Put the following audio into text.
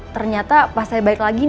ternyata pas saya balik lagi